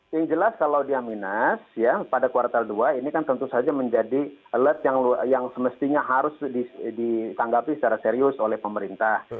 yang jelas kalau dia minus ya pada kuartal dua ini kan tentu saja menjadi alert yang semestinya harus ditanggapi secara serius oleh pemerintah